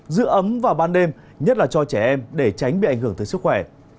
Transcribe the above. giữ ấm vào ban đêm nhất là cho trẻ em để tránh bị ảnh hưởng tới sức khỏe